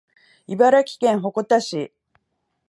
茨城県鉾田市